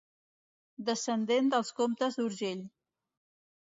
Descendent dels Comtes d'Urgell.